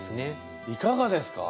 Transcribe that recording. いかがですか？